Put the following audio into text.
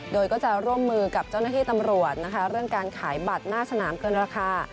โดยก็จะร่วมมือกับเจ้าหน้าที่ตำรวจนะคะเรื่องการขายบัตรหน้าสนามเกินราคา